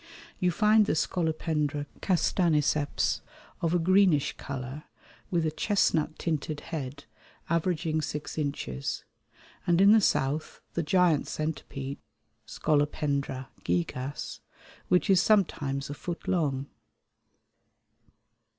You find the Scolopendra castaniceps of a greenish colour with a chestnut tinted head averaging six inches, and in the south the giant centipede (Scolopendra gigas) which is sometimes a foot long.